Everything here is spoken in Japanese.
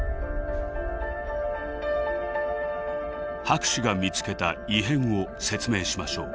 博士が見つけた「異変」を説明しましょう。